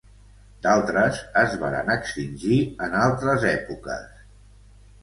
D'altres es varen extingir en altres èpoques.